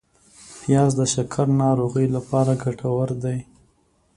پیاز د شکر ناروغۍ لپاره ګټور دی